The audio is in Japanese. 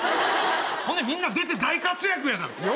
ほんでみんな出て大活躍やがな。